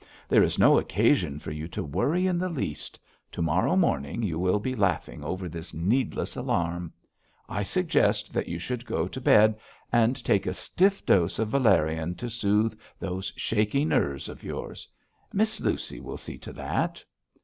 There is no occasion for you to worry in the least. To morrow morning you will be laughing over this needless alarm. I suggest that you should go to bed and take a stiff dose of valerian to sooth those shaky nerves of yours. Miss Lucy will see to that.'